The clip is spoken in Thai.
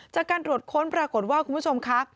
จากการตรวจค้นปรากฏว่าคุณผู้ชมค่ะ